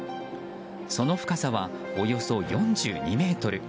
その深さは、およそ４２ｍ。